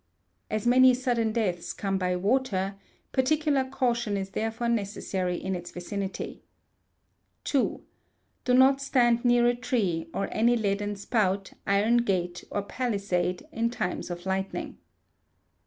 As many sudden deaths come by water, particular caution is therefore necessary in its vicinity. ii. Do not stand near a tree, or any leaden spout, iron gate, or palisade, in times of lightning.